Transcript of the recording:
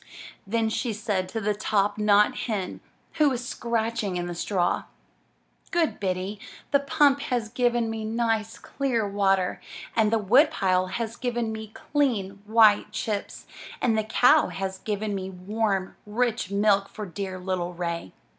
Then she said to the top knot hen that was scratch ^z IN THE NURSERY ing in the straw: Good Biddy, the pump has given me nice, clear water, and the wood pile has given me clean, white chips, and the cow has given me warm, rich milk for dear little Ray.